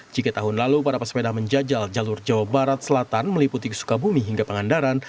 jika tahun lalu para pesepeda menjajal jalur jawa barat selatan meliputi sukabumi hingga pangandaran